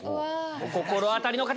お心当たりの方！